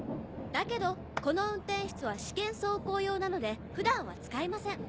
だけどこの運転室は試験走行用なので普段は使いません。